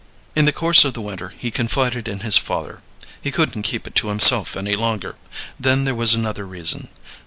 In the course of the winter he confided in his father; he couldn't keep it to himself any longer. Then there was another reason.